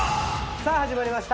さぁ始まりました。